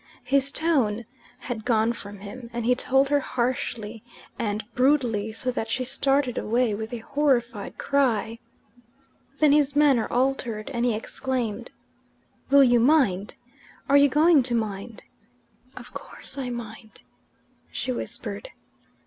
His tone had gone from him, and he told her harshly and brutally, so that she started away with a horrified cry. Then his manner altered, and he exclaimed: "Will you mind? Are you going to mind?" "Of course I mind," she whispered.